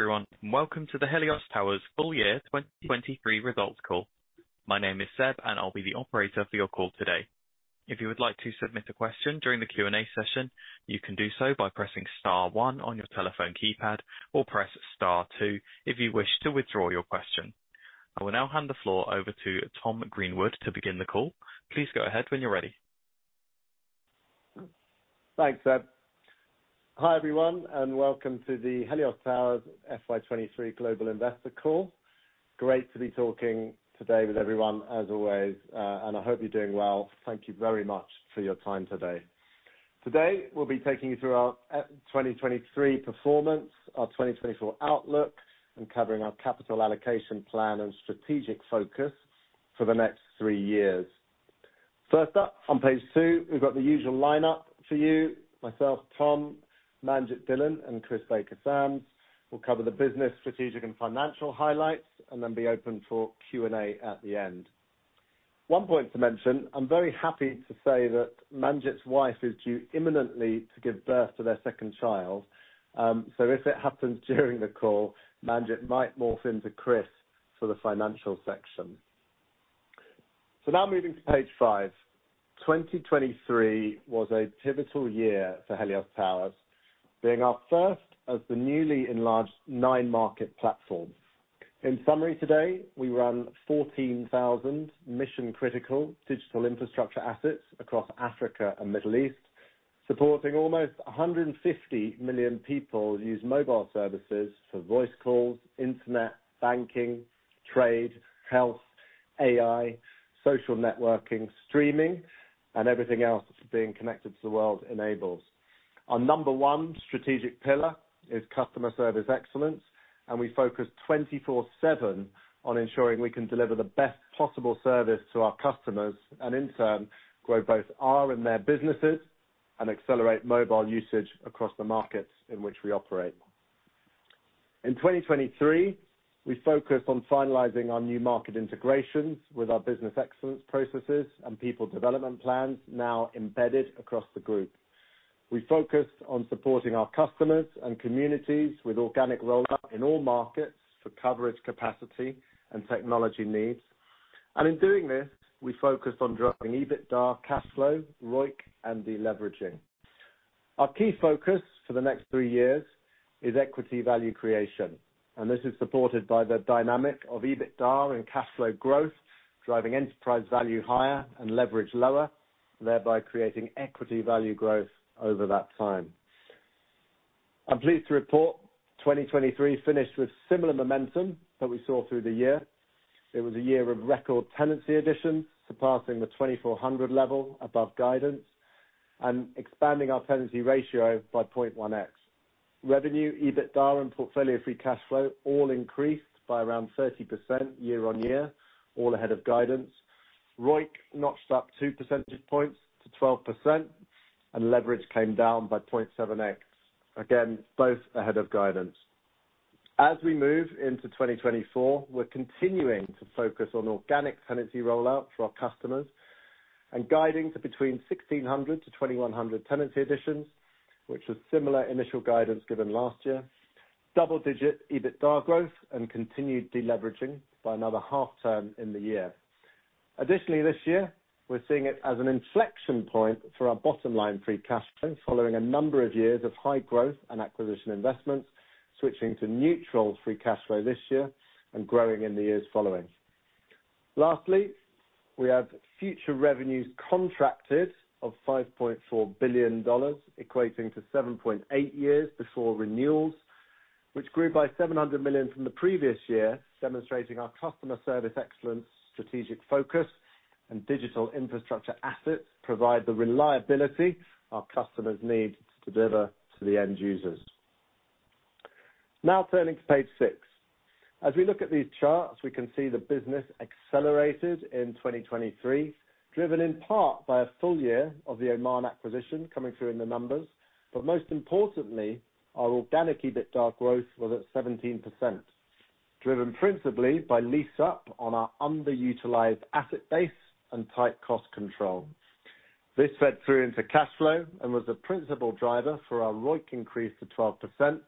Everyone, and welcome to the Helios Towers Full Year 2023 Results Call. My name is Seb, and I'll be the operator for your call today. If you would like to submit a question during the Q&A session, you can do so by pressing star one on your telephone keypad or press star two if you wish to withdraw your question. I will now hand the floor over to Tom Greenwood to begin the call. Please go ahead when you're ready. Thanks, Seb. Hi, everyone, and welcome to the Helios Towers FY 2023 Global Investor Call. Great to be talking today with everyone, as always, and I hope you're doing well. Thank you very much for your time today. Today, we'll be taking you through our 2023 performance, our 2024 outlook, and covering our capital allocation plan and strategic focus for the next three years. First up, on page two, we've got the usual lineup for you. Myself, Tom, Manjit Dhillon, and Chris Baker-Sams. We'll cover the business, strategic, and financial highlights and then be open for Q&A at the end. One point to mention, I'm very happy to say that Manjit's wife is due imminently to give birth to their second child. So if it happens during the call, Manjit might morph into Chris for the financial section. So now moving to page five. 2023 was a pivotal year for Helios Towers, being our first as the newly enlarged nine-market platform. In summary, today, we run 14,000 mission-critical digital infrastructure assets across Africa and Middle East, supporting almost 150 million people use mobile services for voice calls, internet, banking, trade, health, AI, social networking, streaming, and everything else that being connected to the world enables. Our number one strategic pillar is customer service excellence, and we focus 24/7 on ensuring we can deliver the best possible service to our customers and, in turn, grow both our and their businesses and accelerate mobile usage across the markets in which we operate. In 2023, we focused on finalizing our new market integrations with our business excellence processes and people development plans, now embedded across the group. We focused on supporting our customers and communities with organic rollout in all markets for coverage, capacity, and technology needs. In doing this, we focused on driving EBITDA, cash flow, ROIC, and deleveraging. Our key focus for the next three years is equity value creation, and this is supported by the dynamic of EBITDA and cash flow growth, driving enterprise value higher and leverage lower, thereby creating equity value growth over that time. I'm pleased to report 2023 finished with similar momentum that we saw through the year. It was a year of record tenancy additions, surpassing the 2,400 level above guidance and expanding our tenancy ratio by 0.1x. Revenue, EBITDA, and portfolio free cash flow all increased by around 30% year-on-year, all ahead of guidance. ROIC notched up two percentage points to 12%, and leverage came down by 0.7x. Again, both ahead of guidance. As we move into 2024, we're continuing to focus on organic tenancy rollout for our customers and guiding to between 1,600-2,100 tenancy additions, which is similar initial guidance given last year, double-digit EBITDA growth, and continued deleveraging by another half-turn in the year. Additionally, this year, we're seeing it as an inflection point for our bottom-line free cash flow, following a number of years of high growth and acquisition investments, switching to neutral free cash flow this year and growing in the years following. Lastly, we have future revenues contracted of $5.4 billion, equating to 7.8 years before renewals, which grew by $700 million from the previous year, demonstrating our customer service excellence, strategic focus, and digital infrastructure assets provide the reliability our customers need to deliver to the end users. Now turning to page six. As we look at these charts, we can see the business accelerated in 2023, driven in part by a full year of the Oman acquisition coming through in the numbers. But most importantly, our organic EBITDA growth was at 17%, driven principally by lease-up on our underutilized asset base and tight cost control. This fed through into cash flow and was the principal driver for our ROIC increase to 12%,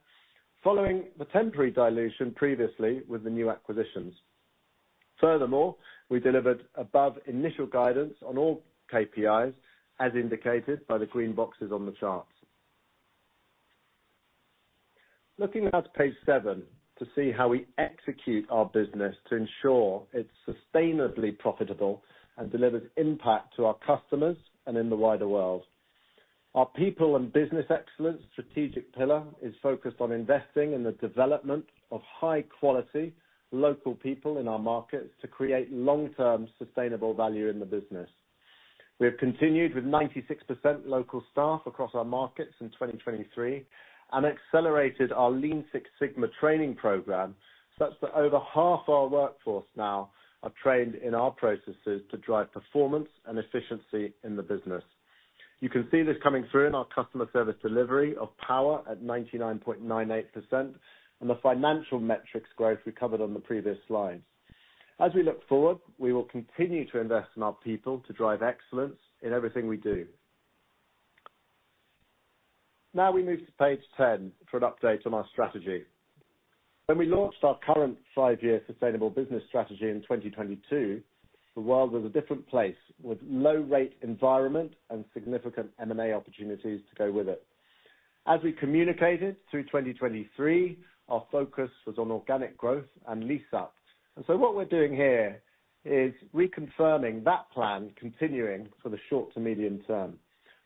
following the temporary dilution previously with the new acquisitions. Furthermore, we delivered above initial guidance on all KPIs, as indicated by the green boxes on the charts. Looking now to page seven to see how we execute our business to ensure it's sustainably profitable and delivers impact to our customers and in the wider world. Our people and business excellence strategic pillar is focused on investing in the development of high-quality, local people in our markets to create long-term, sustainable value in the business. We have continued with 96% local staff across our markets in 2023 and accelerated our Lean Six Sigma Training program, such that over half our workforce now are trained in our processes to drive performance and efficiency in the business. You can see this coming through in our customer service delivery of power at 99.98% and the financial metrics growth we covered on the previous slide. As we look forward, we will continue to invest in our people to drive excellence in everything we do. Now we move to page 10 for an update on our strategy. When we launched our current five-year sustainable business strategy in 2022, the world was a different place, with low rate environment and significant M&A opportunities to go with it. As we communicated through 2023, our focus was on organic growth and lease-up. And so what we're doing here is reconfirming that plan continuing for the short to medium term.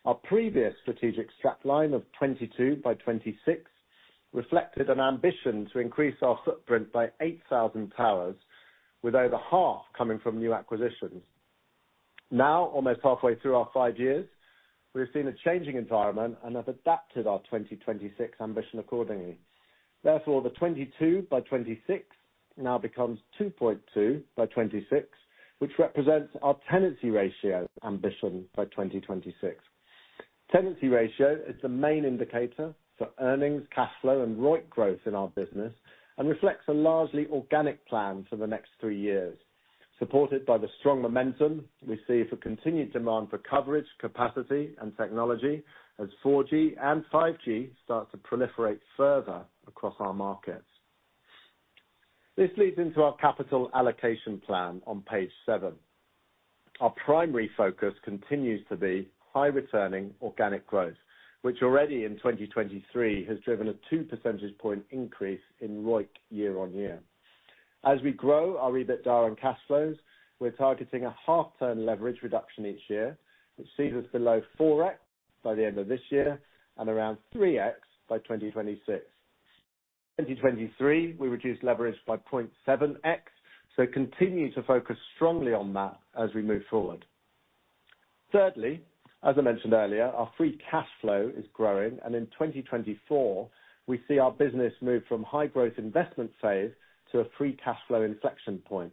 Our previous strategic strap line of 22 by 2026 reflected an ambition to increase our footprint by 8,000 towers, with over half coming from new acquisitions. Now, almost halfway through our five years, we've seen a changing environment and have adapted our 2026 ambition accordingly. Therefore, the 22 by 2026 now becomes 2.2x by 2026, which represents our tenancy ratio ambition by 2026. Tenancy ratio is the main indicator for earnings, cash flow, and ROIC growth in our business, and reflects a largely organic plan for the next three years, supported by the strong momentum we see for continued demand for coverage, capacity, and technology as 4G and 5G start to proliferate further across our markets. This leads into our capital allocation plan on page seven. Our primary focus continues to be high-returning organic growth, which already in 2023 has driven a two percentage point increase in ROIC year-on-year. As we grow our EBITDA and cash flows, we're targeting a half-term leverage reduction each year, which sees us below 4x by the end of this year and around 3x by 2026. In 2023, we reduced leverage by 0.7x, so continue to focus strongly on that as we move forward. Thirdly, as I mentioned earlier, our free cash flow is growing, and in 2024, we see our business move from high-growth investment phase to a free cash flow inflection point,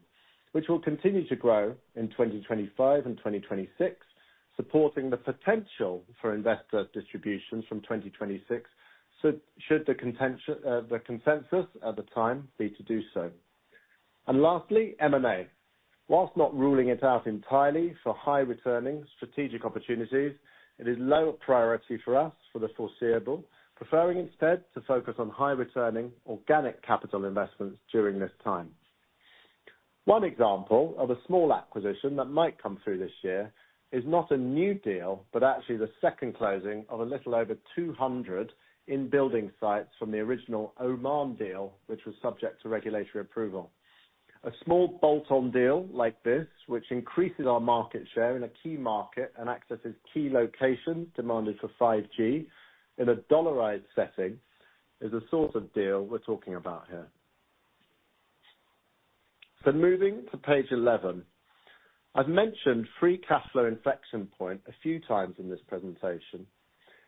which will continue to grow in 2025 and 2026, supporting the potential for investor distributions from 2026, so should the contention, the consensus at the time be to do so. And lastly, M&A. Whilst not ruling it out entirely for high-returning strategic opportunities, it is low priority for us for the foreseeable, preferring instead to focus on high-returning organic capital investments during this time. One example of a small acquisition that might come through this year is not a new deal, but actually the second closing of a little over 200 In-Building sites from the original Oman deal, which was subject to regulatory approval. A small bolt-on deal like this, which increases our market share in a key market and accesses key locations demanded for 5G in a dollarized setting, is the sort of deal we're talking about here. So moving to page 11, I've mentioned free cash flow inflection point a few times in this presentation,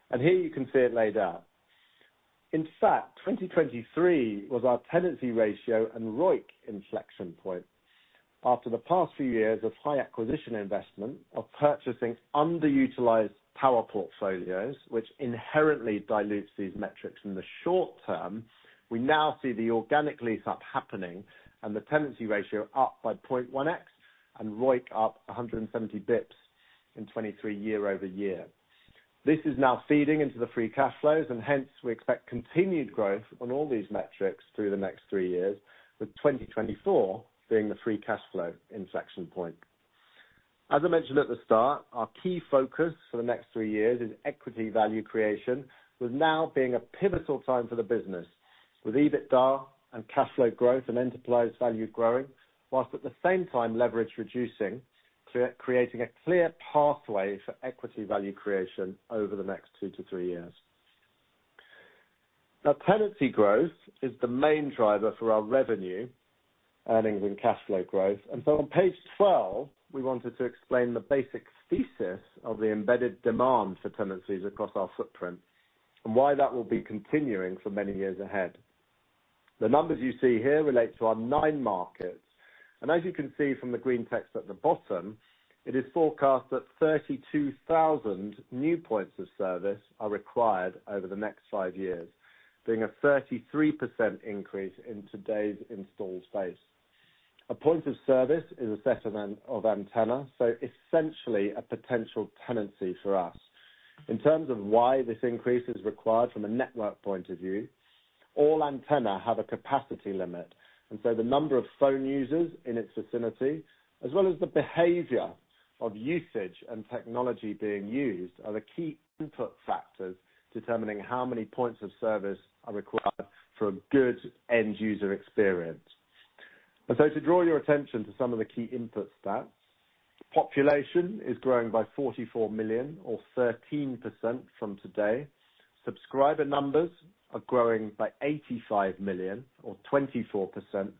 and here you can see it laid out. In fact, 2023 was our tenancy ratio and ROIC inflection point. After the past few years of high acquisition investment, of purchasing underutilized power portfolios, which inherently dilutes these metrics in the short term, we now see the organic lease-up happening and the tenancy ratio up by 0.1x and ROIC up 170 basis points in 2023 year-over-year. This is now feeding into the free cash flows, and hence we expect continued growth on all these metrics through the next three years, with 2024 being the free cash flow inflection point. As I mentioned at the start, our key focus for the next three years is equity value creation, with now being a pivotal time for the business, with EBITDA and cash flow growth and enterprise value growing, while at the same time leverage reducing, clearly creating a clear pathway for equity value creation over the next two to three years. Now, tenancy growth is the main driver for our revenue, earnings, and cash flow growth, and so on page 12, we wanted to explain the basic thesis of the embedded demand for tenancies across our footprint and why that will be continuing for many years ahead. The numbers you see here relate to our nine markets, and as you can see from the green text at the bottom, it is forecast that 32,000 new points of service are required over the next five years, being a 33% increase in today's installed base. A point of service is assessment of antenna, so essentially a potential tenancy for us. In terms of why this increase is required from a network point of view, all antenna have a capacity limit, and so the number of phone users in its vicinity, as well as the behavior of usage and technology being used, are the key input factors determining how many points of service are required for a good end user experience. And so to draw your attention to some of the key input stats, population is growing by 44 million, or 13% from today. Subscriber numbers are growing by 85 million, or 24%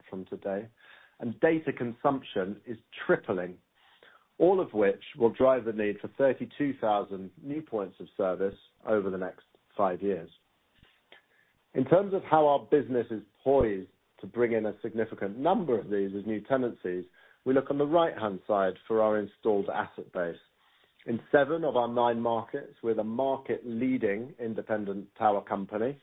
from today, and data consumption is tripling, all of which will drive the need for 32,000 new points of service over the next five years. In terms of how our business is poised to bring in a significant number of these as new tenancies, we look on the right-hand side for our installed asset base. In seven of our nine markets, we're the market-leading independent tower company,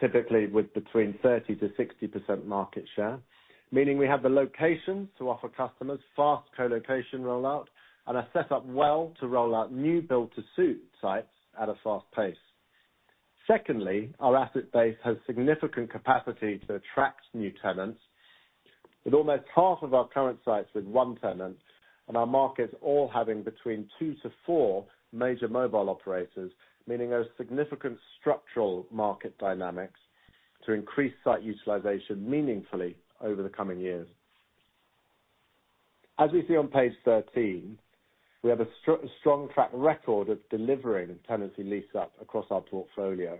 typically with between 30-60% market share, meaning we have the locations to offer customers fast colocation rollout and are set up well to roll out new build-to-suit sites at a fast pace. Secondly, our asset base has significant capacity to attract new tenants, with almost half of our current sites with one tenant, and our markets all having between two to four major mobile operators, meaning there are significant structural market dynamics to increase site utilization meaningfully over the coming years. As we see on page 13, we have a strong track record of delivering tenancy lease-up across our portfolio.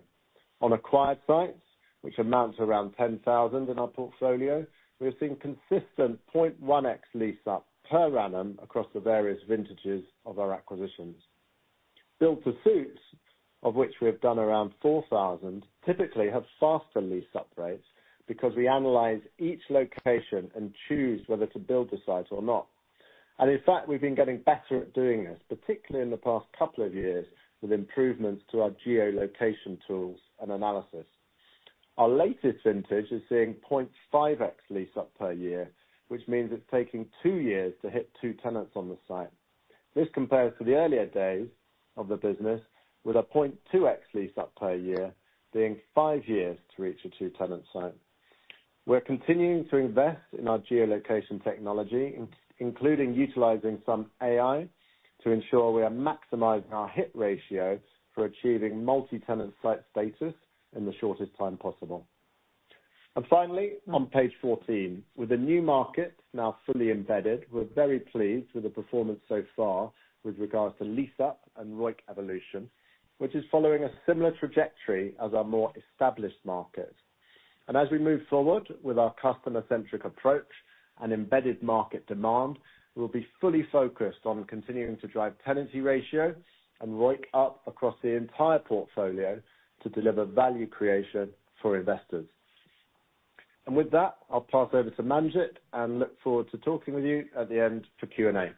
On acquired sites, which amount to around 10,000 in our portfolio, we have seen consistent 0.1x lease-up per annum across the various vintages of our acquisitions. Build-to-suits, of which we have done around 4,000, typically have faster lease-up rates because we analyze each location and choose whether to build the site or not. And in fact, we've been getting better at doing this, particularly in the past couple of years, with improvements to our geolocation tools and analysis. Our latest vintage is seeing 0.5x lease up per year, which means it's taking two years to hit two tenants on the site. This compares to the earlier days of the business, with a 0.2x lease up per year, being five years to reach a two-tenant site. We're continuing to invest in our geolocation technology, including utilizing some AI, to ensure we are maximizing our hit ratios for achieving multi-tenant site status in the shortest time possible. And finally, on page 14, with the new market now fully embedded, we're very pleased with the performance so far with regards to lease-up and ROIC evolution, which is following a similar trajectory as our more established markets. As we move forward with our customer-centric approach and embedded market demand, we'll be fully focused on continuing to drive tenancy ratios and ROIC up across the entire portfolio to deliver value creation for investors. With that, I'll pass over to Manjit, and look forward to talking with you at the end for Q&A.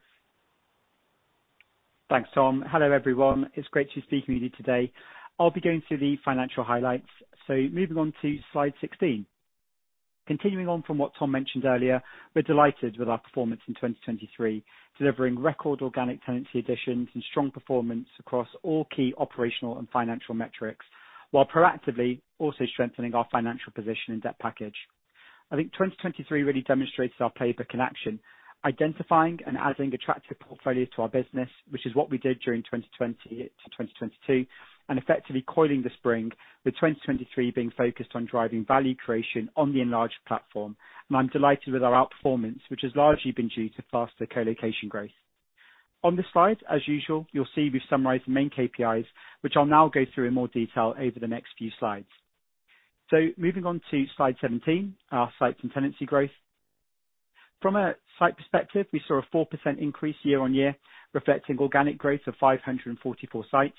Thanks, Tom. Hello, everyone. It's great to be speaking with you today. I'll be going through the financial highlights. So moving on to slide 16. Continuing on from what Tom mentioned earlier, we're delighted with our performance in 2023, delivering record organic tenancy additions and strong performance across all key operational and financial metrics, while proactively also strengthening our financial position and debt package. I think 2023 really demonstrates our playbook in action, identifying and adding attractive portfolios to our business, which is what we did during 2020-2022, and effectively coiling the spring with 2023 being focused on driving value creation on the enlarged platform. I'm delighted with our outperformance, which has largely been due to faster colocation growth. On this slide, as usual, you'll see we've summarized the main KPIs, which I'll now go through in more detail over the next few slides. Moving on to slide 17, our sites and tenancy growth. From a site perspective, we saw a 4% increase year-on-year, reflecting organic growth of 544 sites.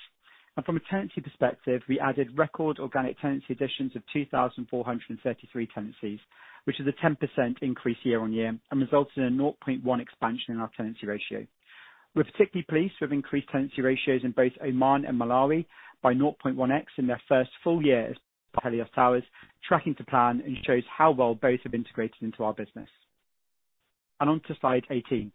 From a tenancy perspective, we added record organic tenancy additions of 2,433 tenancies, which is a 10% increase year-on-year, and resulted in a 0.1x expansion in our tenancy ratio. We're particularly pleased with increased tenancy ratios in both Oman and Malawi by 0.1x in their first full year as part of Helios Towers, tracking to plan and shows how well both have integrated into our business. On to slide 18.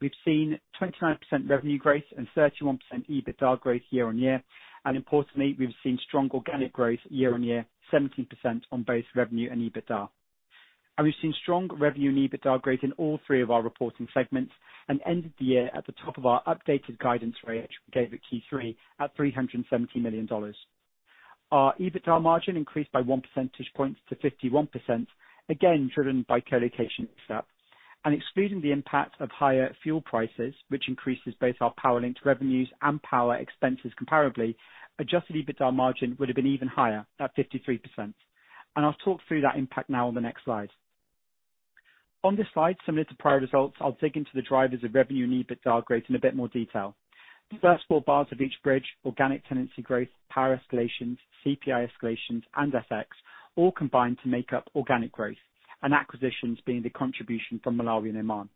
We've seen 29% revenue growth and 31% EBITDA growth year-on-year, and importantly, we've seen strong organic growth year-on-year, 17% on both revenue and EBITDA. And we've seen strong revenue and EBITDA growth in all three of our reporting segments, and ended the year at the top of our updated guidance range we gave at Q3 at $370 million. Our EBITDA margin increased by one percentage point to 51%, again, driven by colocation mix up. And excluding the impact of higher fuel prices, which increases both our power linked revenues and power expenses comparably, adjusted EBITDA margin would have been even higher at 53%. And I'll talk through that impact now on the next slide. On this slide, similar to prior results, I'll dig into the drivers of revenue and EBITDA growth in a bit more detail. The first four bars of each bridge, organic tenancy growth, power escalations, CPI escalations, and FX, all combine to make up organic growth, and acquisitions being the contribution from Malawi and Oman.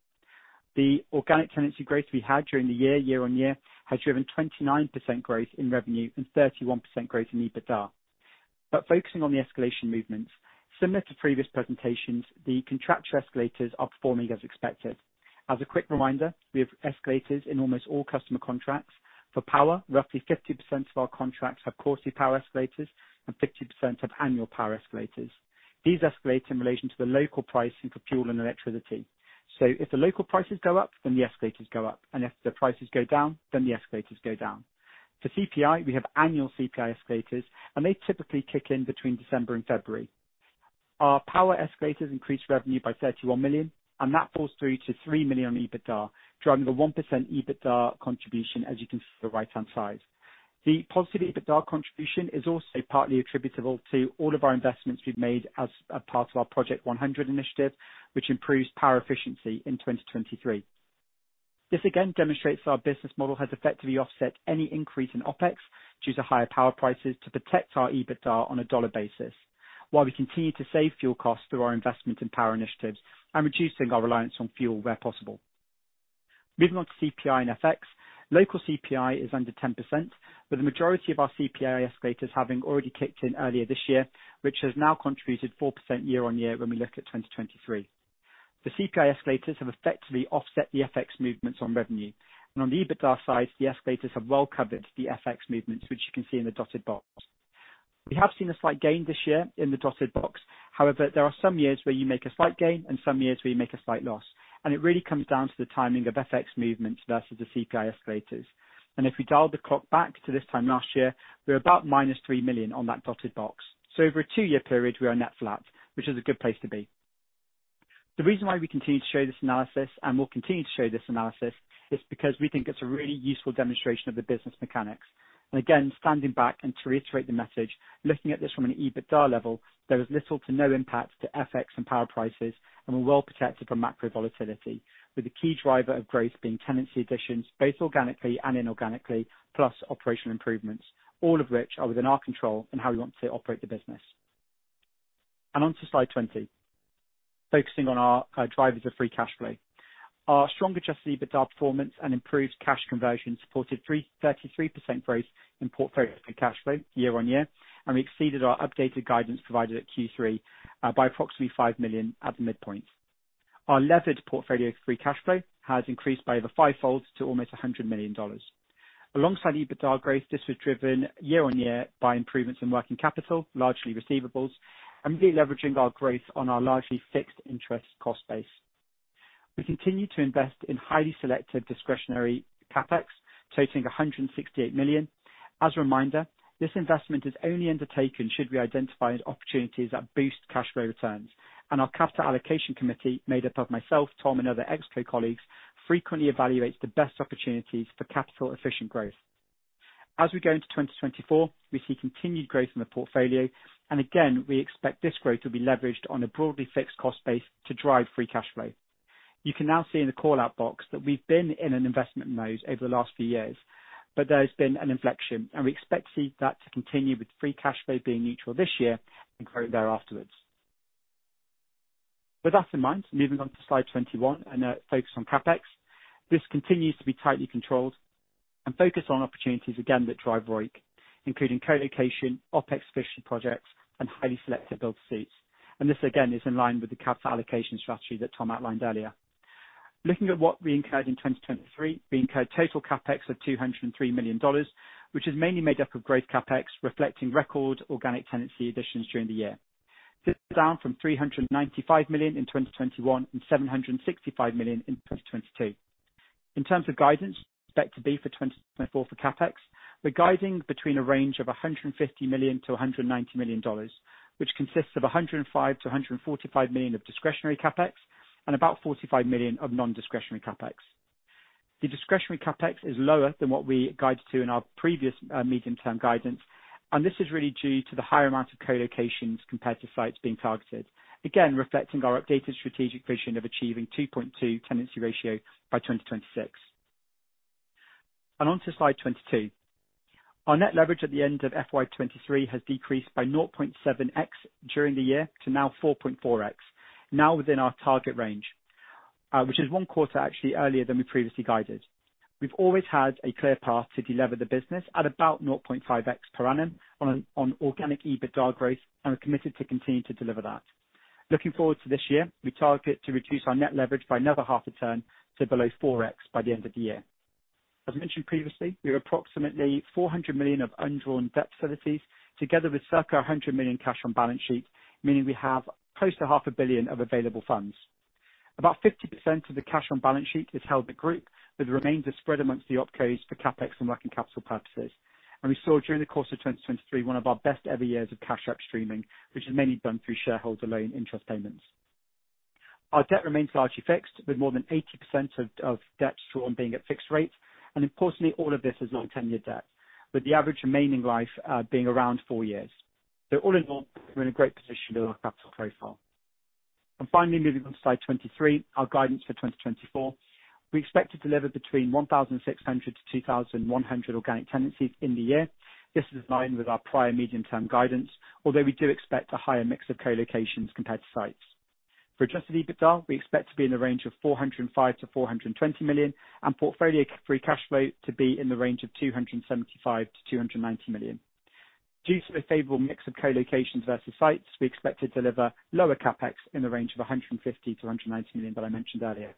The organic tenancy growth we had during the year, year-on-year, has driven 29% growth in revenue and 31% growth in EBITDA. But focusing on the escalation movements, similar to previous presentations, the contractual escalators are performing as expected. As a quick reminder, we have escalators in almost all customer contracts. For power, roughly 50% of our contracts have quarterly power escalators and 50% have annual power escalators. These escalate in relation to the local pricing for fuel and electricity. So if the local prices go up, then the escalators go up, and if the prices go down, then the escalators go down. For CPI, we have annual CPI escalators, and they typically kick in between December and February. Our power escalators increased revenue by $31 million, and that falls through to $3 million on EBITDA, driving the 1% EBITDA contribution, as you can see on the right-hand side. The positive EBITDA contribution is also partly attributable to all of our investments we've made as a part of our Project 100 initiative, which improves power efficiency in 2023. This again demonstrates our business model has effectively offset any increase in OpEx due to higher power prices to protect our EBITDA on a dollar basis, while we continue to save fuel costs through our investment in power initiatives and reducing our reliance on fuel where possible. Moving on to CPI and FX. Local CPI is under 10%, with the majority of our CPI escalators having already kicked in earlier this year, which has now contributed 4% year-on-year when we look at 2023. The CPI escalators have effectively offset the FX movements on revenue, and on the EBITDA side, the escalators have well covered the FX movements, which you can see in the dotted box. We have seen a slight gain this year in the dotted box, however, there are some years where you make a slight gain and some years where you make a slight loss, and it really comes down to the timing of FX movements versus the CPI escalators. If we dial the clock back to this time last year, we were about -$3 million on that dotted box. Over a two-year period, we are net flat, which is a good place to be. The reason why we continue to show this analysis, and we'll continue to show this analysis, is because we think it's a really useful demonstration of the business mechanics. And again, standing back and to reiterate the message, looking at this from an EBITDA level, there is little to no impact to FX and power prices, and we're well protected from macro volatility, with the key driver of growth being tenancy additions, both organically and inorganically, plus operational improvements, all of which are within our control and how we want to operate the business. And on to slide 20, focusing on our drivers of free cash flow. Our stronger adjusted EBITDA performance and improved cash conversion supported 33% growth in portfolio free cash flow year-on-year, and we exceeded our updated guidance provided at Q3 by approximately $5 million at the midpoint. Our leveraged portfolio free cash flow has increased by over fivefold to almost $100 million. Alongside EBITDA growth, this was driven year-on-year by improvements in working capital, largely receivables, and de-leveraging our growth on our largely fixed interest cost base. We continue to invest in highly selective discretionary CapEx, totaling $168 million. As a reminder, this investment is only undertaken should we identify opportunities that boost cash flow returns. Our capital allocation committee, made up of myself, Tom, and other Exco colleagues, frequently evaluates the best opportunities for capital-efficient growth. As we go into 2024, we see continued growth in the portfolio, and again, we expect this growth to be leveraged on a broadly fixed cost base to drive free cash flow. You can now see in the call out box that we've been in an investment mode over the last few years, but there's been an inflection, and we expect to see that to continue with free cash flow being neutral this year and grow thereafterwards. With that in mind, moving on to slide 21 and focus on CapEx. This continues to be tightly controlled and focused on opportunities, again, that drive ROIC, including colocation, OpEx efficiency projects, and highly selective build-to-suits. And this, again, is in line with the capital allocation strategy that Tom outlined earlier. Looking at what we incurred in 2023, we incurred total CapEx of $203 million, which is mainly made up of growth CapEx, reflecting record organic tenancy additions during the year. This is down from $395 million in 2021 and $765 million in 2022. In terms of guidance, expect to be for 2024 for CapEx, we're guiding between a range of $150 million-$190 million, which consists of $105 million-$145 million of discretionary CapEx and about $45 million of non-discretionary CapEx. The discretionary CapEx is lower than what we guided to in our previous, medium-term guidance, and this is really due to the higher amount of co-locations compared to sites being targeted. Again, reflecting our updated strategic vision of achieving 2.2x tenancy ratio by 2026. And on to slide 22. Our net leverage at the end of FY 2023 has decreased by 0.7x during the year to now 4.4x, now within our target range, which is one quarter actually earlier than we previously guided. We've always had a clear path to delever the business at about 0.5x per annum on organic EBITDA growth, and we're committed to continue to deliver that. Looking forward to this year, we target to reduce our net leverage by another half a turn to below 4x by the end of the year. As mentioned previously, we have approximately $400 million of undrawn debt facilities, together with circa $100 million cash on balance sheet, meaning we have close to $500 million of available funds. About 50% of the cash on balance sheet is held at group, with the remainder spread amongst the OpCos for CapEx and working capital purposes. We saw during the course of 2023, one of our best ever years of cash streaming, which is mainly done through shareholder loan interest payments. Our debt remains largely fixed, with more than 80% of debt drawn being at fixed rates, and importantly, all of this is long-term year debt, with the average remaining life being around four years. So all in all, we're in a great position with our capital profile. Finally, moving on to slide 23, our guidance for 2024. We expect to deliver between 1,600-2,100 organic tenancies in the year. This is in line with our prior medium-term guidance, although we do expect a higher mix of colocations compared to sites. For adjusted EBITDA, we expect to be in the range of $405 million-$420 million, and portfolio free cash flow to be in the range of $275 million-$290 million. Due to the favorable mix of colocations versus sites, we expect to deliver lower CapEx in the range of $150 million-$190 million that I mentioned earlier.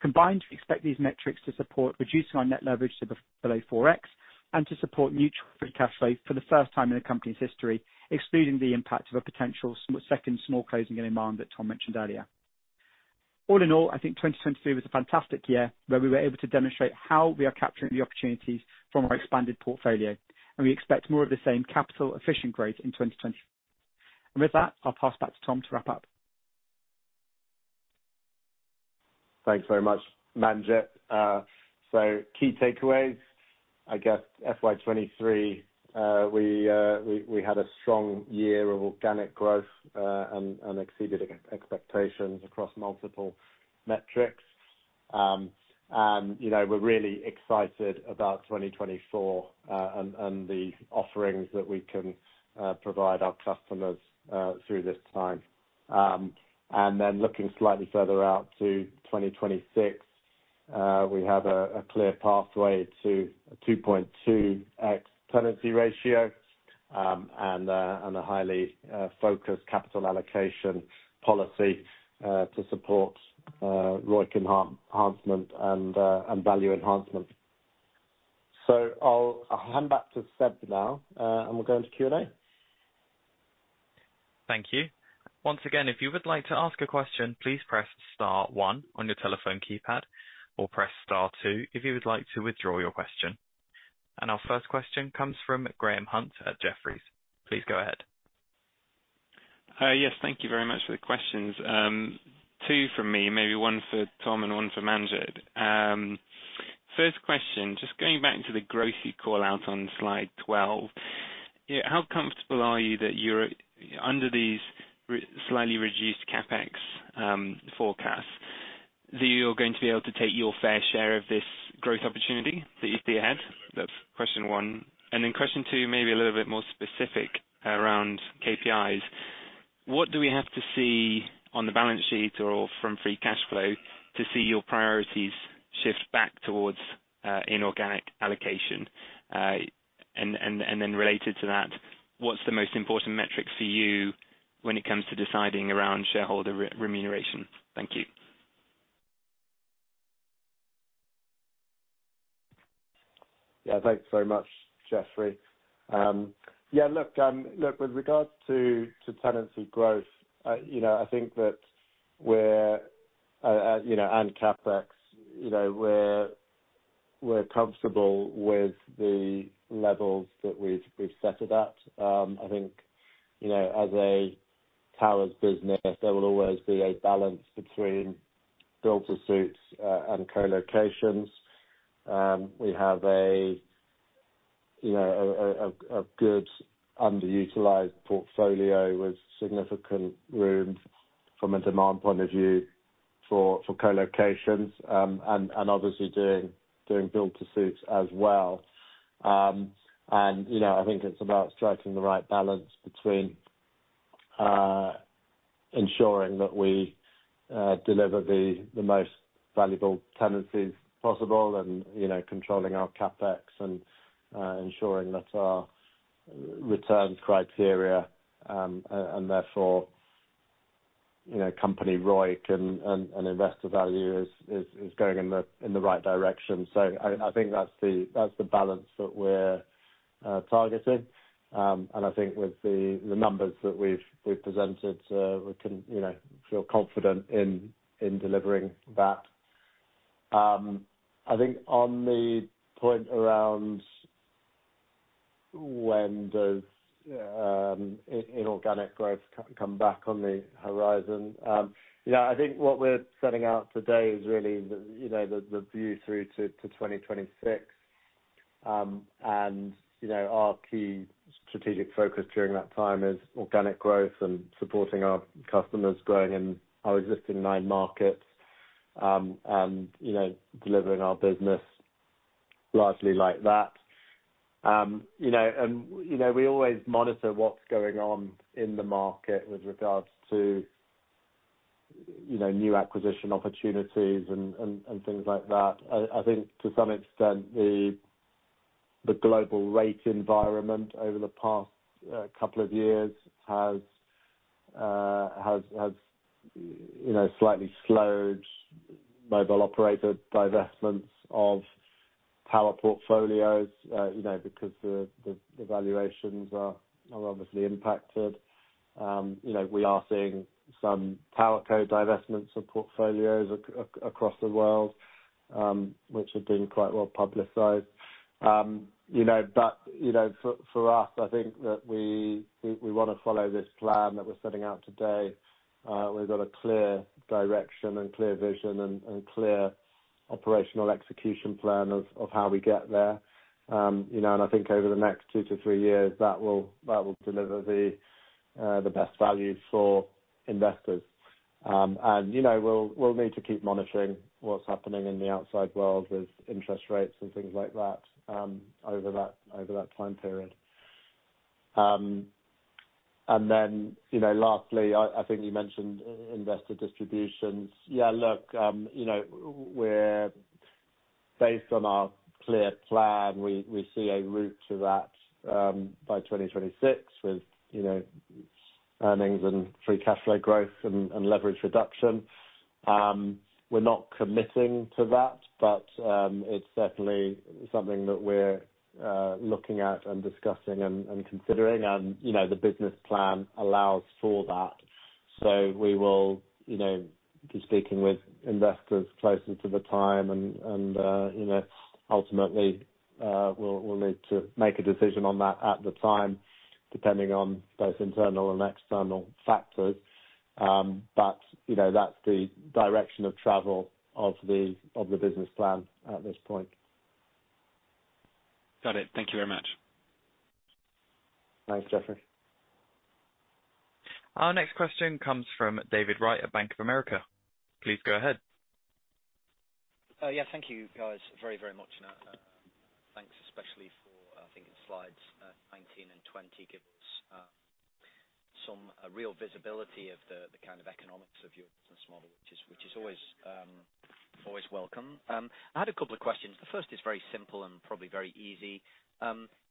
Combined, we expect these metrics to support reducing our net leverage to below 4x, and to support neutral free cash flow for the first time in the company's history, excluding the impact of a potential second small closing in Malawi that Tom mentioned earlier. All in all, I think 2023 was a fantastic year, where we were able to demonstrate how we are capturing the opportunities from our expanded portfolio, and we expect more of the same capital efficient growth in 2024. And with that, I'll pass back to Tom to wrap up. Thanks very much, Manjit. So key takeaways, I guess FY 2023, we had a strong year of organic growth, and exceeded expectations across multiple metrics. And, you know, we're really excited about 2024, and the offerings that we can provide our customers through this time. And then looking slightly further out to 2026, we have a clear pathway to a 2.2x tenancy ratio. And a highly focused capital allocation policy to support ROIC enhancement and value enhancement. So I'll hand back to Seb now, and we'll go into Q&A. Thank you. Once again, if you would like to ask a question, please press star one on your telephone keypad, or press star two if you would like to withdraw your question. Our first question comes from Graham Hunt at Jefferies. Please go ahead. Yes, thank you very much for the questions. Two from me, maybe one for Tom and one for Manjit. First question, just going back to the growth callout on slide 12. Yeah, how comfortable are you that you're, under these slightly reduced CapEx forecasts, that you're going to be able to take your fair share of this growth opportunity that you see ahead? That's question one. And then question two, maybe a little bit more specific around KPIs. What do we have to see on the balance sheet or from free cash flow, to see your priorities shift back towards inorganic allocation? And then related to that, what's the most important metric for you when it comes to deciding around shareholder remuneration? Thank you. Yeah, thanks very much, Jeffrey. Yeah, look, look, with regards to tenancy growth, you know, I think that we're, you know, and CapEx, you know, we're, we're comfortable with the levels that we've, we've set it at. I think, you know, as a towers business, there will always be a balance between build-to-suits and colocations. We have a, you know, a good underutilized portfolio with significant room from a demand point of view for colocations, and obviously doing build-to-suits as well. And, you know, I think it's about striking the right balance between ensuring that we deliver the most valuable tenancies possible and, you know, controlling our CapEx and ensuring that our returns criteria and therefore, you know, company ROIC and investor value is going in the right direction. So I think that's the balance that we're targeting. And I think with the numbers that we've presented, we can, you know, feel confident in delivering that. I think on the point around when does inorganic growth come back on the horizon? Yeah, I think what we're setting out today is really the, you know, the view through to 2026. You know, our key strategic focus during that time is organic growth and supporting our customers growing in our existing nine markets, and, you know, delivering our business largely like that. You know, and, you know, we always monitor what's going on in the market with regards to, you know, new acquisition opportunities and things like that. I think to some extent, the global rate environment over the past couple of years has, you know, slightly slowed mobile operator divestments of tower portfolios, you know, because the valuations are obviously impacted. You know, we are seeing some tower co-divestments of portfolios across the world, which have been quite well publicized. You know, but, you know, for us, I think that we, we wanna follow this plan that we're setting out today. We've got a clear direction and clear vision and clear operational execution plan of how we get there. You know, and I think over the next two to three years, that will deliver the, the best value for investors. And, you know, we'll, we'll need to keep monitoring what's happening in the outside world with interest rates and things like that, over that, over that time period. And then, you know, lastly, I think you mentioned investor distributions. Yeah, look, you know, we're based on our clear plan, we see a route to that, by 2026 with, you know, earnings and free cash flow growth and leverage reduction. We're not committing to that, but it's certainly something that we're looking at and discussing and considering. And, you know, the business plan allows for that. So we will, you know, be speaking with investors closer to the time and, you know, ultimately, we'll need to make a decision on that at the time, depending on both internal and external factors. But, you know, that's the direction of travel of the business plan at this point. Got it. Thank you very much. Thanks, Jeffrey. Our next question comes from David Wright at Bank of America. Please go ahead. Yeah, thank you, guys, very, very much. Slides 19 and 20 give us some a real visibility of the kind of economics of your business model, which is always welcome. I had a couple of questions. The first is very simple and probably very easy.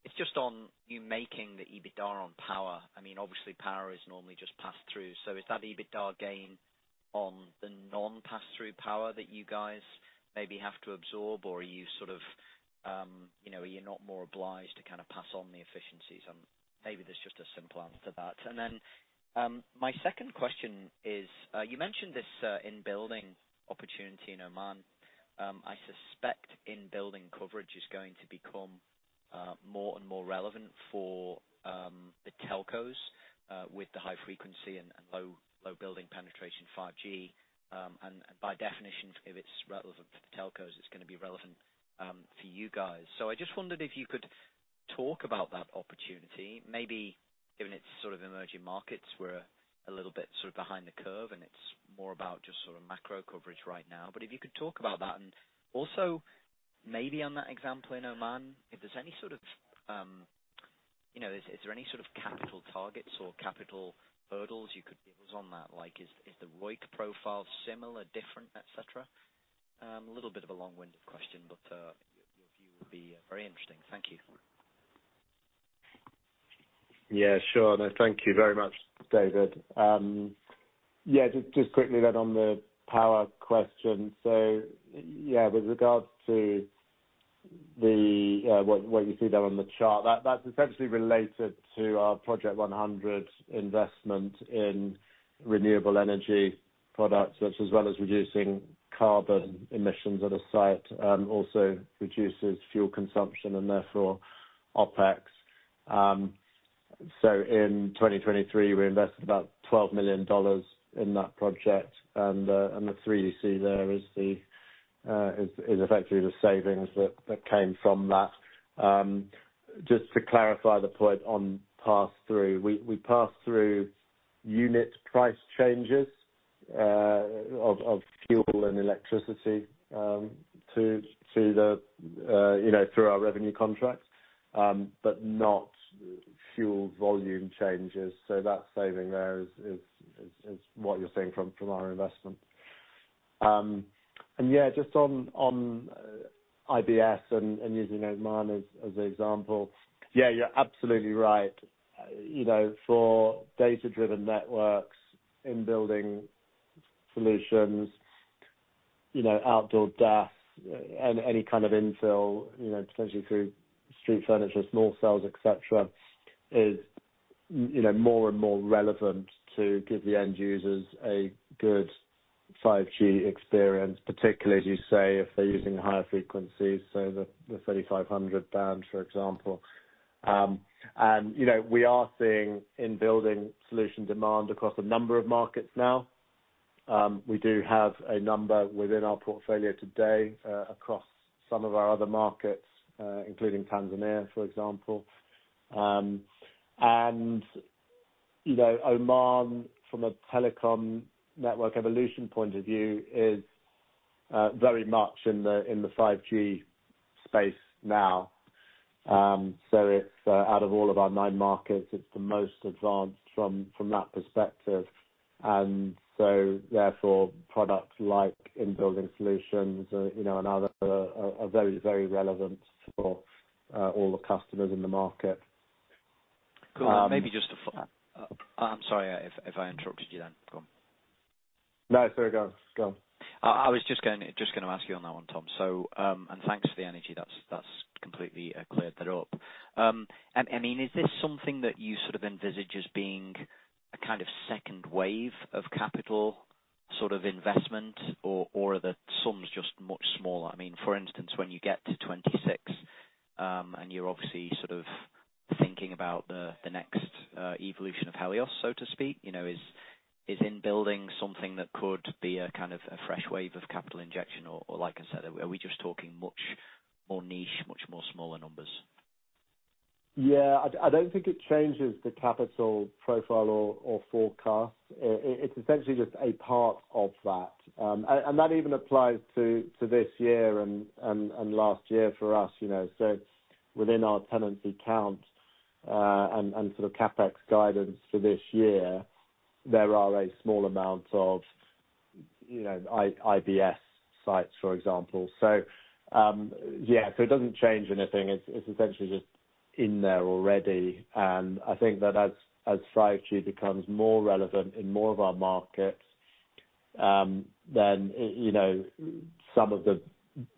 It's just on you making the EBITDA on power. I mean, obviously, power is normally just passed through, so is that EBITDA gain on the non-pass-through power that you guys maybe have to absorb? Or are you sort of, you know, are you not more obliged to kind of pass on the efficiencies? And maybe there's just a simple answer to that. And then, my second question is, you mentioned this, In-Building opportunity in Oman. I suspect In-Building Coverage is going to become more and more relevant for the telcos with the high frequency and low-building penetration 5G. And by definition, if it's relevant for the telcos, it's gonna be relevant for you guys. So I just wondered if you could talk about that opportunity. Maybe given it's sort of emerging markets, we're a little bit sort of behind the curve, and it's more about just sort of macro coverage right now. But if you could talk about that, and also maybe on that example in Oman, if there's any sort of, you know, is there any sort of capital targets or capital hurdles you could give us on that? Like, is the ROIC profile similar, different, et cetera? A little bit of a long-winded question, but your view will be very interesting. Thank you. Yeah, sure. No, thank you very much, David. Yeah, just quickly then on the power question. So, yeah, with regards to the what you see there on the chart, that's essentially related to our Project 100 investment in renewable energy products, which as well as reducing carbon emissions at a site, also reduces fuel consumption and therefore OpEx. So in 2023, we invested about $12 million in that project, and the $3 million you see there is effectively the savings that came from that. Just to clarify the point on pass-through, we pass through unit price changes of fuel and electricity to the you know, through our revenue contracts, but not fuel volume changes. So that saving there is what you're seeing from our investment. And yeah, just on IBS and using Oman as an example, yeah, you're absolutely right. You know, for data-driven networks, In-Building Solution, you know, outdoor DAS and any kind of infill, you know, potentially through street furniture, small cells, et cetera, is, you know, more and more relevant to give the end users a good 5G experience, particularly, as you say, if they're using higher frequencies, so the 3,500 band, for example. And, you know, we are seeing In-Building Solution demand across a number of markets now. We do have a number within our portfolio today, across some of our other markets, including Tanzania, for example. And, you know, Oman, from a telecom network evolution point of view, is very much in the 5G space now. So it's out of all of our nine markets, it's the most advanced from that perspective. And so therefore, products like In-Building Solutions, you know, and other are very, very relevant for all the customers in the market. Cool. Maybe just to follow. I'm sorry if, if I interrupted you then. Go on. No, it's very good. Go on. I was just going, just gonna ask you on that one, Tom. So, and thanks for the energy. That's, that's completely cleared that up. And I mean, is this something that you sort of envisage as being a kind of second wave of capital sort of investment, or, or are the sums just much smaller? I mean, for instance, when you get to 2026, and you're obviously sort of thinking about the, the next evolution of Helios, so to speak, you know, is In-Building something that could be a kind of a fresh wave of capital injection, or, or like I said, are we just talking much more niche, much more smaller numbers? Yeah, I don't think it changes the capital profile or forecast. It's essentially just a part of that. And that even applies to this year and last year for us, you know. So within our tenancy count and sort of CapEx guidance for this year, there are a small amount of, you know, IBS sites, for example. So, yeah, so it doesn't change anything. It's essentially just in there already, and I think that as 5G becomes more relevant in more of our markets, then, you know, some of the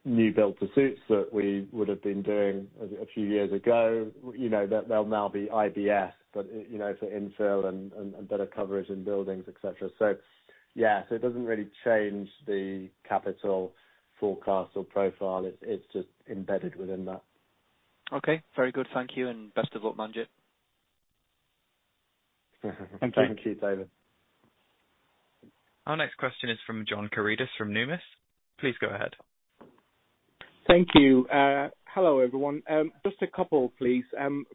new build-to-suit that we would have been doing a few years ago, you know, they'll now be IBS, but, you know, for infill and better coverage in buildings, et cetera. So yeah, so it doesn't really change the capital forecast or profile. It's, it's just embedded within that. Okay, very good. Thank you, and best of luck, Manjit. Thank you, David. Our next question is from John Karidis from Numis. Please go ahead. Thank you. Hello, everyone. Just a couple, please.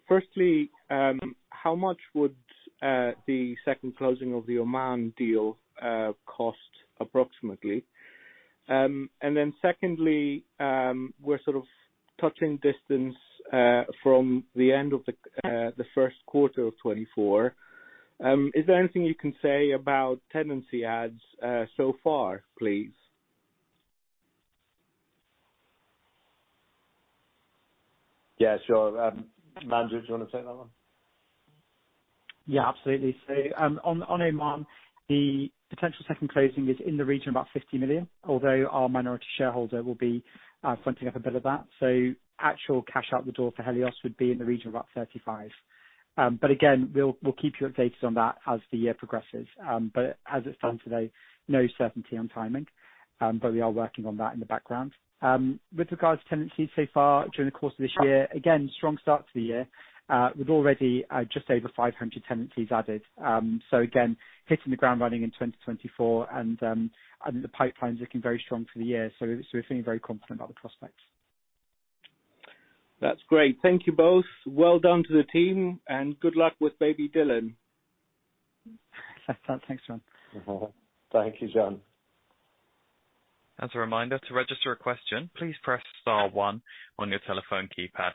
Firstly, how much would the second closing of the Oman deal cost approximately? And then secondly, we're sort of touching distance from the end of the first quarter of 2024. Is there anything you can say about tenancy adds so far, please? Yeah, sure. Manjit, do you wanna take that one? Yeah, absolutely. So, on Oman, the potential second closing is in the region of about $50 million, although our minority shareholder will be fronting up a bit of that. So actual cash out the door for Helios would be in the region of about $35 million. But again, we'll keep you updated on that as the year progresses. But as it stands today, no certainty on timing, but we are working on that in the background. With regards to tenancies so far during the course of this year, again, strong start to the year, with already just over 500 tenancies added. So again, hitting the ground running in 2024, and the pipeline's looking very strong for the year, so we're feeling very confident about the prospects. That's great. Thank you both. Well done to the team, and good luck with baby Dhillon. Thanks, John. Thank you, John. As a reminder, to register a question, please press star one on your telephone keypad.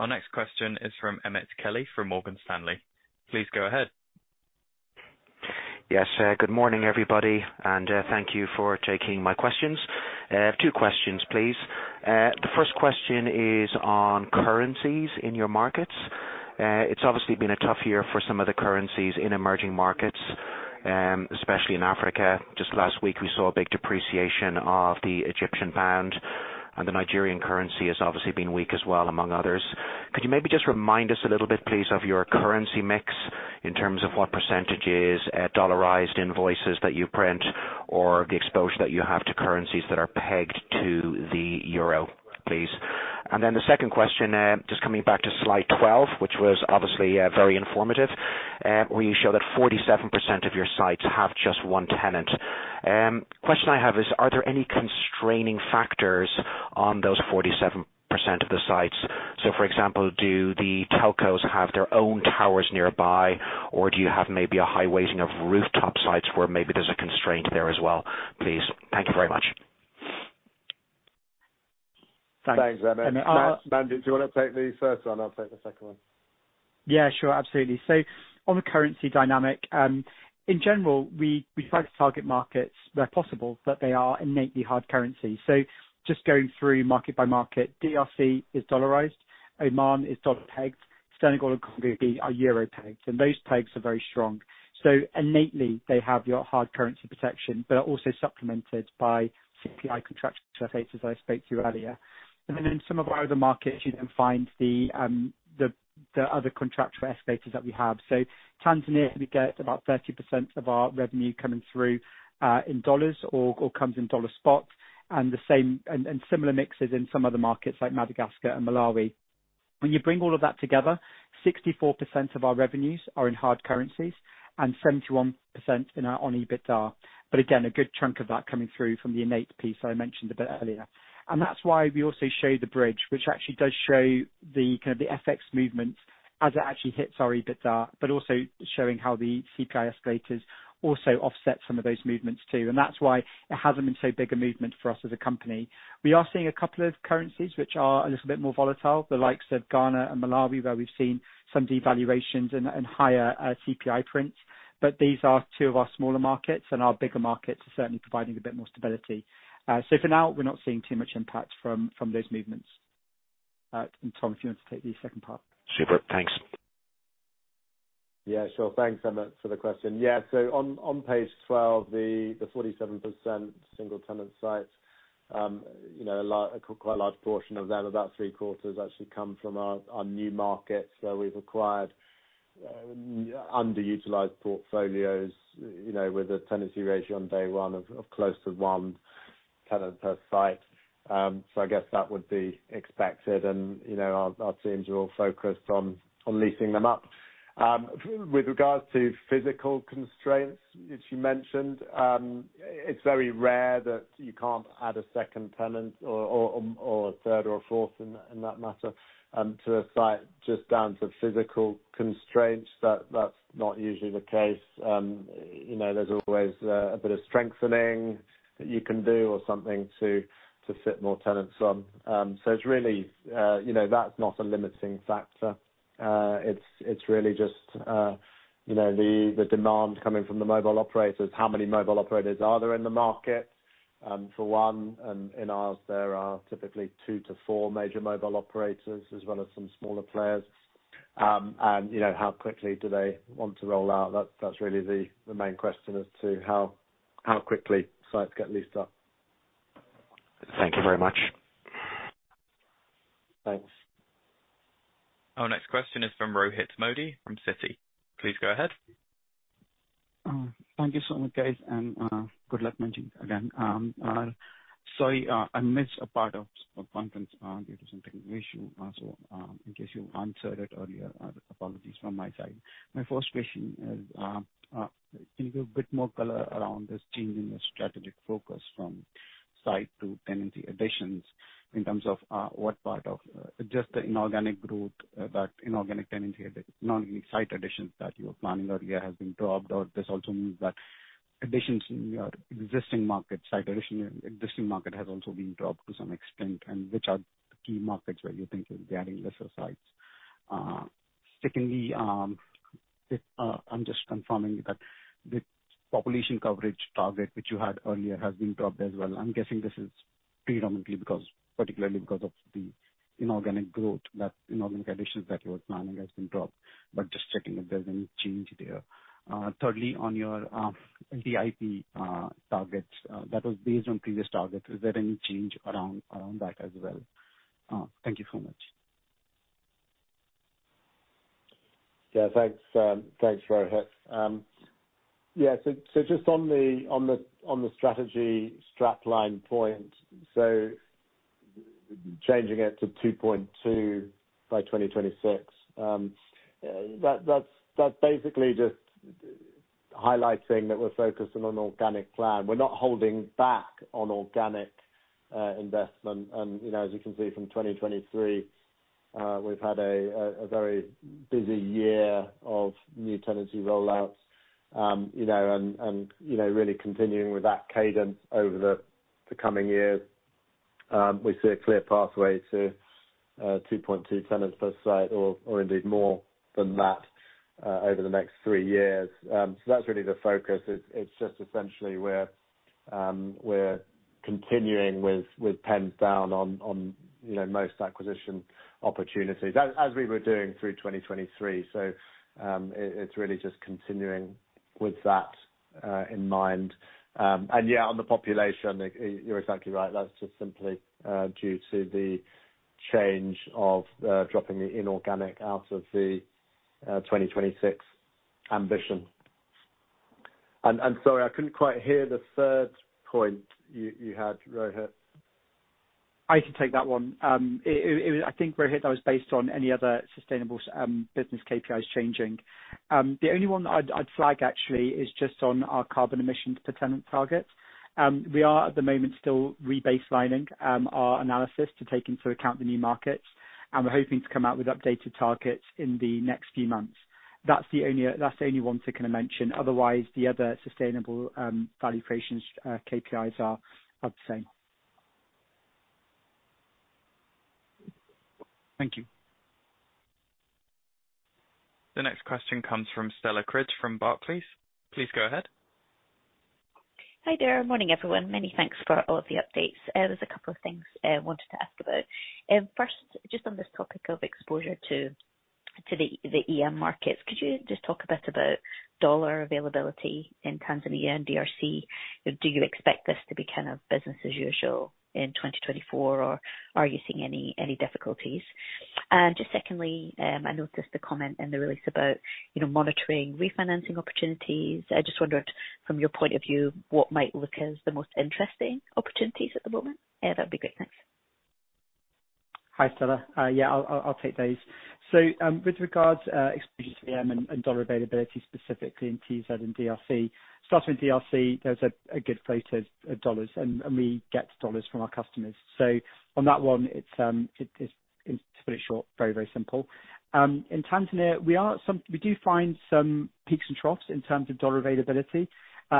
Our next question is from Emmett Kelly, from Morgan Stanley. Please go ahead. Yes, good morning, everybody, and thank you for taking my questions. Two questions, please. The first question is on currencies in your markets. It's obviously been a tough year for some of the currencies in emerging markets, especially in Africa. Just last week, we saw a big depreciation of the Egyptian pound, and the Nigerian currency has obviously been weak as well, among others. Could you maybe just remind us a little bit, please, of your currency mix, in terms of what percentages, dollarized invoices that you print, or the exposure that you have to currencies that are pegged to the euro, please? And then the second question, just coming back to slide 12, which was obviously very informative, where you show that 47% of your sites have just one tenant. Question I have is: Are there any constraining factors on those 47% of the sites? So, for example, do the telcos have their own towers nearby, or do you have maybe a high weighting of rooftop sites, where maybe there's a constraint there as well, please? Thank you very much. Thanks, Emmett. Manjit, do you wanna take the first one? I'll take the second one. Yeah, sure. Absolutely. So on the currency dynamic, in general, we try to target markets where possible, but they are innately hard currency. So just going through market by market, DRC is dollarized, Oman is dollar pegged, Senegal and Congo are euro pegged, and those pegs are very strong. So innately, they have your hard currency protection, but are also supplemented by CPI contract escalators, as I spoke to you earlier. And then in some of our other markets, you then find the other contractual escalators that we have. So Tanzania, we get about 30% of our revenue coming through in dollars or comes in dollar spots, and the same and similar mixes in some other markets, like Madagascar and Malawi. When you bring all of that together, 64% of our revenues are in hard currencies, and 71% in our, on EBITDA. But again, a good chunk of that coming through from the [Oman] piece that I mentioned a bit earlier. And that's why we also show the bridge, which actually does show the, kind of the FX movements as it actually hits our EBITDA, but also showing how the CPI escalators also offset some of those movements, too. And that's why it hasn't been so big a movement for us as a company. We are seeing a couple of currencies which are a little bit more volatile, the likes of Ghana and Malawi, where we've seen some devaluations and higher CPI prints. But these are two of our smaller markets, and our bigger markets are certainly providing a bit more stability. For now, we're not seeing too much impact from those movements. Tom, if you want to take the second part. Super. Thanks. Yeah, sure. Thanks, Emmett, for the question. Yeah, so on page 12, the 47% single tenant sites, you know, quite a large portion of them, about 3/4, actually come from our new markets, where we've acquired underutilized portfolios, you know, with a tenancy ratio on day one of close to one tenant per site. So I guess that would be expected and, you know, our teams are all focused on leasing them up. With regards to physical constraints, as you mentioned, it's very rare that you can't add a second tenant or a third or a fourth in that matter to a site, just down to physical constraints, that's not usually the case. You know, there's always a bit of strengthening that you can do, or something to fit more tenants on. So it's really, you know, that's not a limiting factor. It's really just, you know, the demand coming from the mobile operators. How many mobile operators are there in the market? For one, and in ours, there are typically two to four major mobile operators, as well as some smaller players. And you know, how quickly do they want to roll out? That's really the main question as to how quickly sites get leased up. Thank you very much. Thanks. Our next question is from Rohit Modi, from Citi. Please go ahead. Thank you so much, guys, and good luck managing again. Sorry, I missed a part of the conference due to some technical issue. Also, in case you answered it earlier, apologies from my side. My first question is, can you give a bit more color around this change in the strategic focus from site to tenancy additions? In terms of, what part of, just the inorganic growth, that inorganic tenancy, that non site additions that you were planning earlier has been dropped, or this also means that additions in your existing market, site addition existing market has also been dropped to some extent, and which are the key markets where you think you're getting lesser sites? Secondly, if, I'm just confirming that the population coverage target which you had earlier has been dropped as well. I'm guessing this is predominantly because, particularly because of the inorganic growth, that inorganic additions that you were planning has been dropped, but just checking if there's any change there. Thirdly, on your, DIP, targets, that was based on previous targets, is there any change around, around that as well? Thank you so much. Yeah, thanks, thanks, Rohit. Yeah, so just on the strategy strapline point, so changing it to 2.2x by 2026, that's basically just highlighting that we're focused on an organic plan. We're not holding back on organic investment. And, you know, as you can see from 2023, we've had a very busy year of new tenancy rollouts. You know, and really continuing with that cadence over the coming years, we see a clear pathway to 2.2x tenants per site or indeed more than that over the next three years. So that's really the focus. It's just essentially we're continuing with pens down on, you know, most acquisition opportunities as we were doing through 2023. So, it's really just continuing with that in mind. And yeah, on the population, you're exactly right. That's just simply due to the change of dropping the inorganic out of the 2026 ambition. And sorry, I couldn't quite hear the third point you had, Rohit. I can take that one. It, I think, Rohit, that was based on any other sustainable business KPIs changing. The only one that I'd flag actually is just on our carbon emissions per tenant target. We are at the moment still rebaselining our analysis to take into account the new markets, and we're hoping to come out with updated targets in the next few months. That's the only one to kind of mention; otherwise, the other sustainable value creations KPIs are the same. Thank you. The next question comes from Stella Cridge from Barclays. Please go ahead. Hi there. Morning, everyone. Many thanks for all of the updates. There's a couple of things I wanted to ask about. First, just on this topic of exposure to the EM markets, could you just talk a bit about dollar availability in Tanzania and DRC? Do you expect this to be kind of business as usual in 2024, or are you seeing any difficulties? Just secondly, I noticed the comment in the release about, you know, monitoring refinancing opportunities. I just wondered from your point of view, what might look as the most interesting opportunities at the moment? Yeah, that'd be great. Thanks. Hi, Stella. Yeah, I'll take those. So, with regards, exposure to EM and dollar availability, specifically in TZ and DRC. Starting with DRC, there's a good flow of dollars, and we get dollars from our customers. So on that one, it's pretty short, very simple. In Tanzania, we do find some peaks and troughs in terms of dollar availability.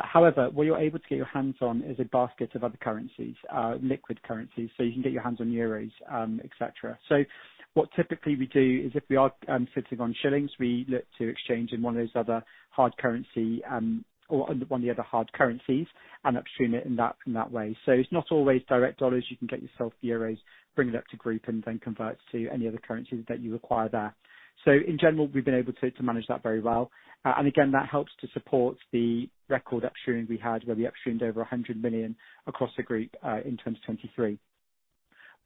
However, what you're able to get your hands on is a basket of other currencies, liquid currencies, so you can get your hands on euros, et cetera. So what typically we do is if we are sitting on shillings, we look to exchange in one of those other hard currency, or one of the other hard currencies, and upstream it in that way. So it's not always direct dollars. You can get yourself euros, bring it up to group and then convert to any other currencies that you require there. So in general, we've been able to manage that very well. And again, that helps to support the record upstream we had, where we upstreamed over $100 million across the group, in 2023.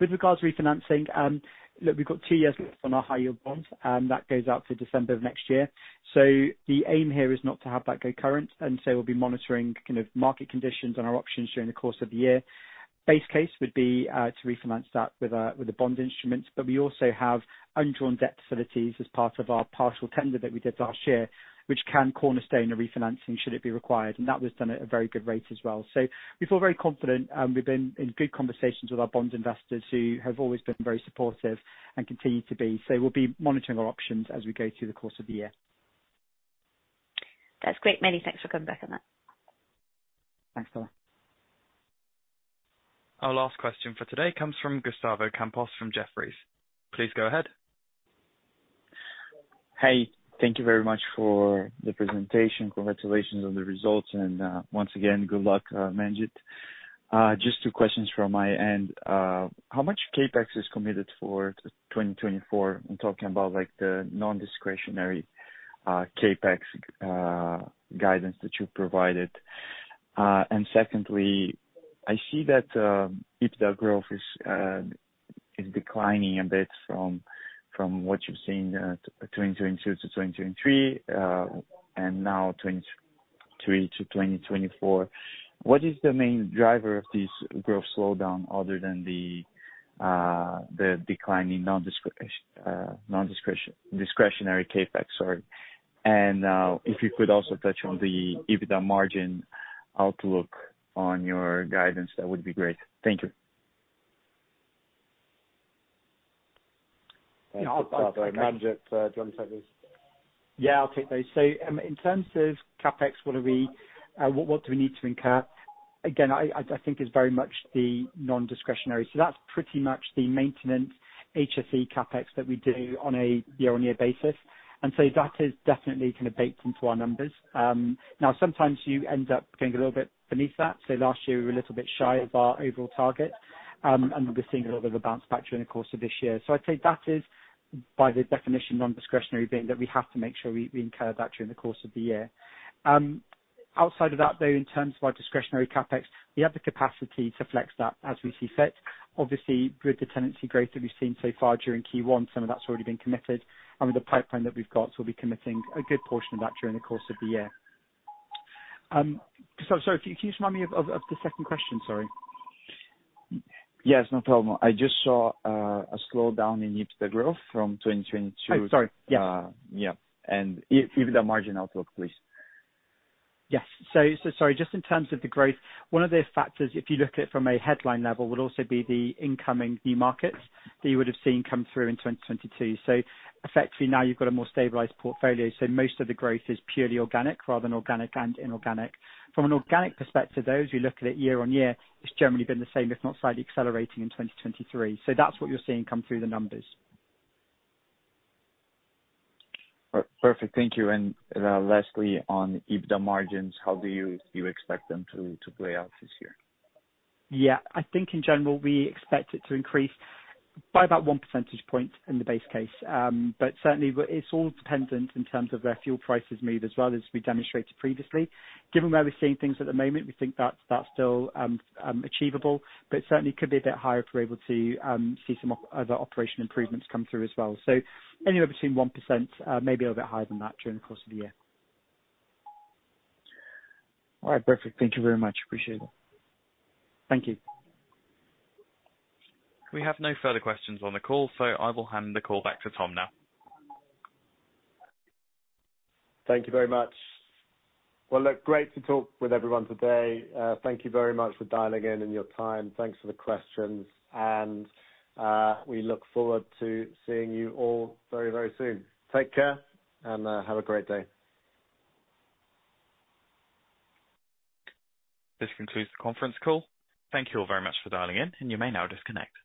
With regards to refinancing, look, we've got two years left on our high yield bonds, and that goes out to December of next year. So the aim here is not to have that go current, and so we'll be monitoring kind of market conditions and our options during the course of the year. Base case would be to refinance that with a bond instrument, but we also have undrawn debt facilities as part of our partial tender that we did last year, which can cornerstone a refinancing should it be required, and that was done at a very good rate as well. So we feel very confident, and we've been in good conversations with our bond investors, who have always been very supportive and continue to be. So we'll be monitoring our options as we go through the course of the year. That's great. Many thanks for coming back on that. Thanks, Stella. Our last question for today comes from Gustavo Campos, from Jefferies. Please go ahead. Hey, thank you very much for the presentation. Congratulations on the results, and once again, good luck, Manjit. Just two questions from my end. How much CapEx is committed for 2024? I'm talking about, like, the non-discretionary CapEx guidance that you provided. And secondly, I see that EBITDA growth is declining a bit from what you've seen, 2022-2023, and now 2023-2024. What is the main driver of this growth slowdown, other than the declining non-discretionary CapEx, sorry? And if you could also touch on the EBITDA margin outlook on your guidance, that would be great. Thank you. Yeah, I'll take that. Manjit, do you want to take this? Yeah, I'll take those. So, in terms of CapEx, what do we need to incur? Again, I think it's very much the non-discretionary. So that's pretty much the maintenance HSE CapEx that we do on a year-on-year basis. And so that is definitely kind of baked into our numbers. Now sometimes you end up going a little bit beneath that. So last year we were a little bit shy of our overall target. And we're seeing a little bit of a bounce back during the course of this year. So I'd say that is by the definition, non-discretionary, being that we have to make sure we incur that during the course of the year. Outside of that, though, in terms of our discretionary CapEx, we have the capacity to flex that as we see fit. Obviously, with the tenancy growth that we've seen so far during Q1, some of that's already been committed. With the pipeline that we've got, we'll be committing a good portion of that during the course of the year. So sorry, can you remind me of the second question? Sorry. Yes, no problem. I just saw a slowdown in EBITDA growth from 2022 Oh, sorry. Yeah. Yeah, and even the margin outlook, please. Yes. So, so sorry, just in terms of the growth, one of the factors, if you look at it from a headline level, would also be the incoming new markets that you would have seen come through in 2022. So effectively now you've got a more stabilized portfolio. So most of the growth is purely organic rather than organic and inorganic. From an organic perspective, though, as you look at it year-on-year, it's generally been the same, if not slightly accelerating in 2023. So that's what you're seeing come through the numbers. Perfect. Thank you. And, lastly, on EBITDA margins, how do you expect them to play out this year? Yeah, I think in general, we expect it to increase by about one percentage point in the base case. But certainly it's all dependent in terms of where fuel prices move as well as we demonstrated previously. Given where we're seeing things at the moment, we think that's still achievable, but certainly could be a bit higher if we're able to see some other operational improvements come through as well. So anywhere between 1%, maybe a little bit higher than that during the course of the year. All right. Perfect. Thank you very much. Appreciate it. Thank you. We have no further questions on the call, so I will hand the call back to Tom now. Thank you very much. Well, look, great to talk with everyone today. Thank you very much for dialing in and your time. Thanks for the questions, and we look forward to seeing you all very, very soon. Take care and have a great day. This concludes the conference call. Thank you all very much for dialing in, and you may now disconnect.